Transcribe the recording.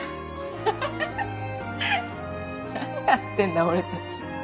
ハハハハ何やってんだ俺たち。